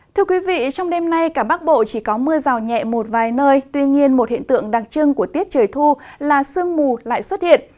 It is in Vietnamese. thưa quý vị trong đêm nay cả bắc bộ chỉ có mưa rào nhẹ một vài nơi tuy nhiên một hiện tượng đặc trưng của tiết trời thu là sương mù lại xuất hiện